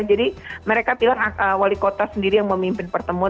jadi mereka pilih wali kota sendiri yang memimpin pertemuan